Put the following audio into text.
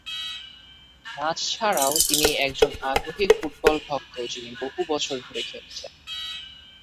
নাচ ছাড়াও তিনি একজন আগ্রহী ফুটবল ভক্ত যিনি বহু বছর ধরে খেলেছেন।